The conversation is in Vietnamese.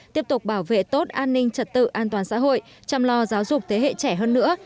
tiếp tục bảo vệ tốt an ninh trật tự an toàn xã hội chăm lo giáo dục thế hệ trẻ hơn nữa